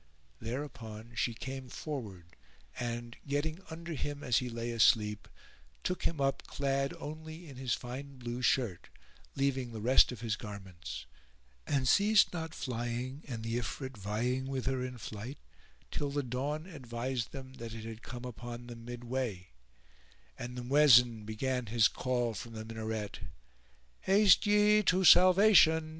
Thereupon she came forward and, getting under him as he lay asleep, took him up clad only in his fine blue shirt, leaving the rest of his garments; and ceased not flying (and the Ifrit vying with her in flight) till the dawn advised them that it had come upon them mid way, and the Muezzin began his call from the Minaret, "Haste ye to salvation!